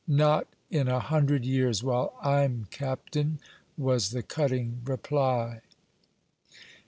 "Not in a hundred years while I'm captain!" was the cutting reply.